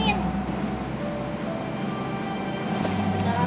kita larang lidar